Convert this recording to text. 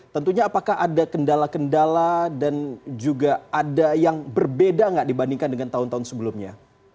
tentunya apakah ada kendala kendala dan juga ada yang berbeda nggak dibandingkan dengan tahun tahun sebelumnya